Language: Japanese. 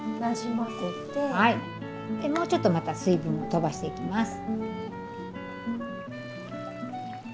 でもうちょっとまた水分をとばしていきます。